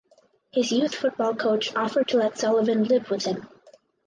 His youth football coach offered to let Sullivan live with him.